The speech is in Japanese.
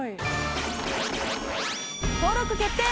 登録決定！